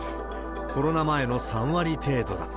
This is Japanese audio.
コロナ前の３割程度だ。